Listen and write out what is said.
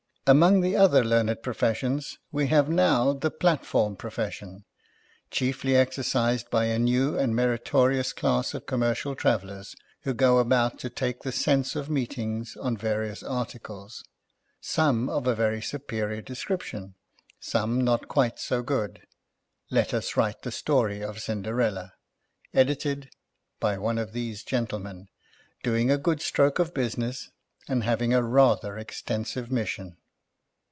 Among the other learned professions we have now the Platform profession, chiefly ex ercised by a new and meritorious class of commercial travellers who go about to take the sense of meetings on various articles : some, of a yery superior description : some, not quite so good. Let us write the story of Cinderella, " edited " by one of these gentle men, doing a good stroke of business, and having a rather extensive mission.